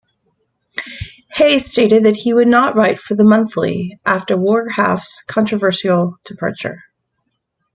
Haigh stated that he would not write for "The Monthly" after Warhaft's controversial departure.